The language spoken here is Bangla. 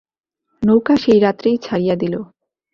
নৌকা সেই রাত্রেই ছাড়িয়া দিল।